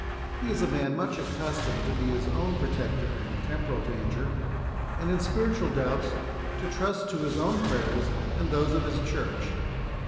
He is a man much accustomed to be his own protector in temporal danger, and in spiritual doubts to trust to his own prayers and those of his Church."